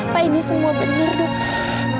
apa ini semua bener dokter